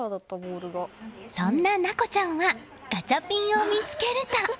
そんな奈心ちゃんはガチャピンを見つけると。